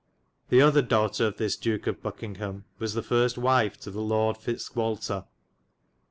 The othar dowghtar of this Duke of Buckyngham was the first wyfe to the Lord Fitzgwalter.